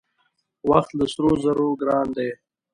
وخت له سرو زرو ګران دی .